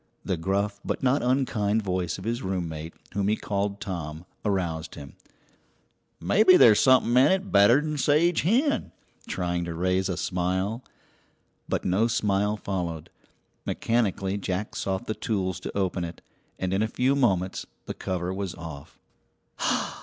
The gruff but not unkind voice of his roommate, whom he called Tom, aroused him. "Maybe there's something in it better'n sage hen," trying to raise a smile. But no smile followed. Mechanically Jack sought the tools to open it, and in a few moments the cover was off.